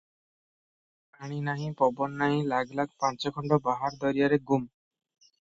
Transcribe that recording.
ପାଣି ନାହିଁ, ପବନ ନାହିଁ ଲାଗ ଲାଗ ପାଞ୍ଚ ଖଣ୍ଡ ବାହାର ଦରିଆରେ ଗୁମ୍!